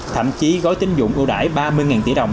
thậm chí gói tính dụng ưu đại ba mươi tỷ đồng